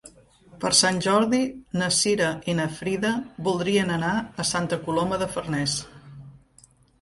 Per Sant Jordi na Cira i na Frida voldrien anar a Santa Coloma de Farners.